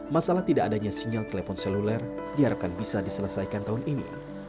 masalah tidak adanya sinyal telepon seluler diharapkan bisa diselesaikan tahun ini